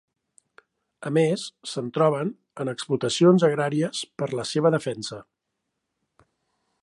A més, se'n troben en explotacions agràries per la seva defensa.